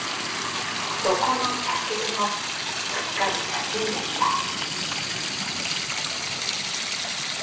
底の茶渋もすっかりなじんでいた。